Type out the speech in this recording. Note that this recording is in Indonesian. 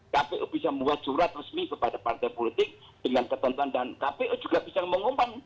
kpu bisa membuat surat resmi kepada partai politik dengan ketentuan dan kpu juga bisa mengumpan